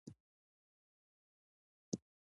سیالي په ښو کارونو کې وکړئ.